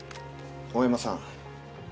大山さん